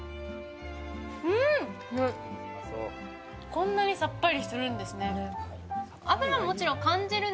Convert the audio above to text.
こんなにさっぱりしてるんですね。